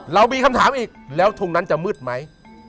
เรามีคำถามอีกแล้วทุ่งนั้นจะมืดไหม